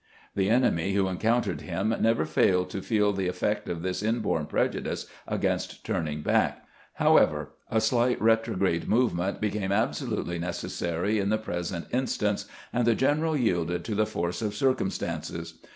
The enemy who encountered him never failed to feel the effect of this inborn prejudice against turning back. However, a slight retrograde movement became absolutely neces sary in the present instance, and the general yielded to the force of circumstances.